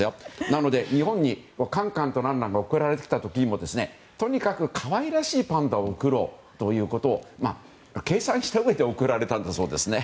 なので日本にカンカンとランランが贈られてきた時にもとにかく可愛らしいパンダを贈ろうということを計算したうえで贈られたんだそうですね。